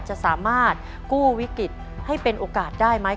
จะสามารถกู้วิกฤตให้เป็นโอกาสได้ไหม